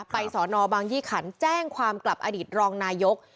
สอนอบางยี่ขันแจ้งความกลับอดีตรองนายก